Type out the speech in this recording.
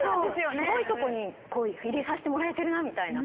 すごいとこに入れさせてもらえてるなみたいな。